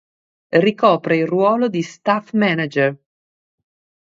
Ricopre il ruolo di Staff Manager.